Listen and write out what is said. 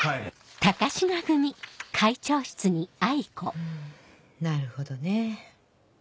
フゥなるほどね。